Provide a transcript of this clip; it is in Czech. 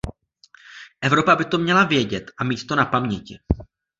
Evropa by to měla vědět a mít to na paměti.